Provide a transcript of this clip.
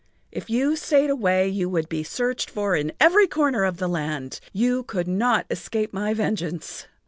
If you stayed away you would be searched for in every corner of the land. You could not escape my vengeance.